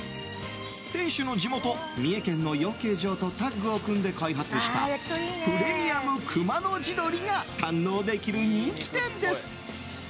店主の地元、三重県の養鶏場とタッグを組んで開発したプレミアム熊野地鶏が堪能できる人気店です。